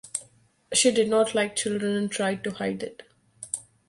She did not like children and tried to hide it.